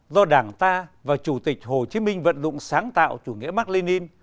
do đảng ta và chủ tịch hồ chí minh vận dụng sáng tạo chủ nghĩa mạc lê ninh